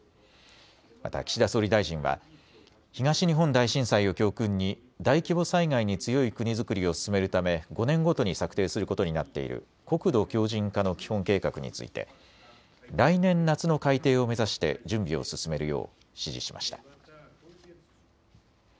また岸田総理大臣は東日本大震災を教訓に大規模災害に強い国づくりを進めるため５年ごとに策定することになっている国土強じん化の基本計画について来年夏の改定を目指して準備を進めるよう指示しました。